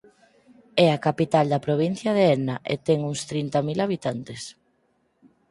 É a capital da provincia de Enna e ten uns trinta mil habitantes.